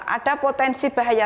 ada potensi bahaya